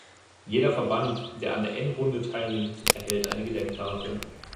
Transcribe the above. Jeder Verband, der an der Endrunde teilnimmt, erhält eine Gedenktafel.